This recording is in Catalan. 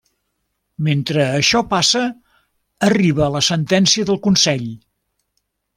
Mentre això passa, arriba la sentència del consell: